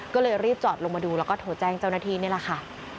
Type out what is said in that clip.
ก็เลยรีบจอดลงมาดูแล้วก็โทรแจ้งเจ้าหน้าที่นี่แหละค่ะ